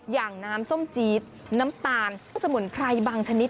อย่างน้ำส้มจี๊ดน้ำตาลสมุนไพรบางชนิด